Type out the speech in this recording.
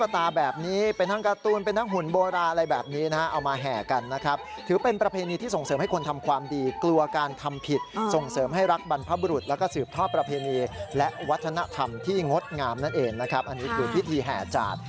เด็กดูชอบเป็นพิเศษนะมาถ่ายรูปกันเต็มเลย